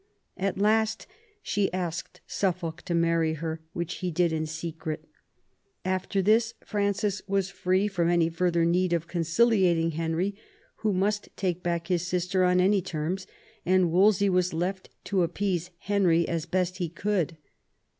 At last she asked Suffolk to marry her, which he did in secret After this Francis was free from any further need of conciliating Henry, who must take back his sister on any terms, and Wolsey was left to appease Henry as best he could.